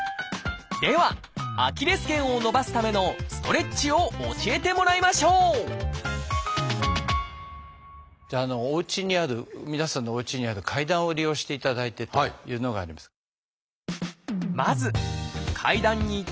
ではアキレス腱を伸ばすためのストレッチを教えてもらいましょうじゃあおうちにある皆さんのおうちにある階段を利用していただいてというのがあります。